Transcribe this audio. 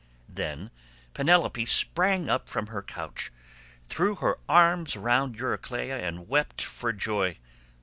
Then Penelope sprang up from her couch, threw her arms round Euryclea, and wept for joy.